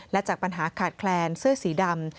และจากปัญหาขาดแคลนเสื้อสีดำ